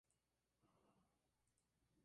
Se cree que se encuentra en Tanzania.